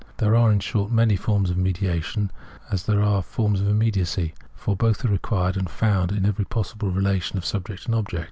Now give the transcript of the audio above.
There are, in short, as many forms of mediation as there: are forms of immediacy, for both are required and found; in every possible relation of subject and object.